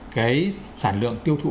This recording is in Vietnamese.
cái sản lượng tiêu thụ